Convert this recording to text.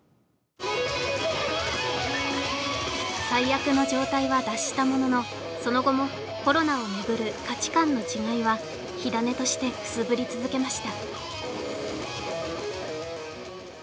最悪の状態は脱したもののその後もコロナをめぐる価値観の違いは火種としてくすぶり続けました